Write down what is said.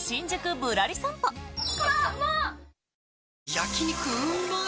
焼肉うまっ